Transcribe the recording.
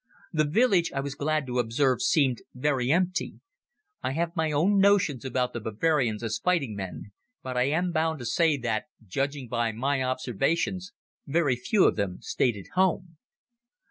The village, I was glad to observe, seemed very empty. I have my own notions about the Bavarians as fighting men, but I am bound to say that, judging by my observations, very few of them stayed at home.